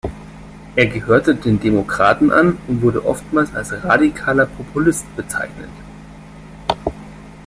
Er gehörte den Demokraten an und wurde oftmals als radikaler Populist bezeichnet.